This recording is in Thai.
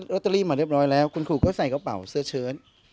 ลอตเตอรี่มาเรียบร้อยแล้วคุณครูก็ใส่กระเป๋าเสื้อเชิญ